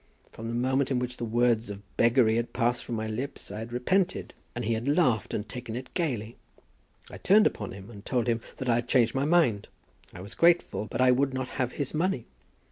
From the moment in which the words of beggary had passed from my lips, I had repented. And he had laughed and had taken it gaily. I turned upon him and told him that I had changed my mind. I was grateful, but I would not have his money.